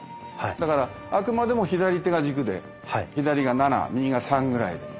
だからあくまでも左手が軸で左が７右が３ぐらいで。